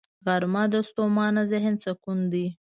غرمه د ستومانه ذهن سکون دی